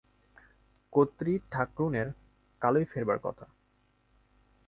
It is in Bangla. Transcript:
কর্ত্রীঠাকরুনের কালই ফেরবার কথা।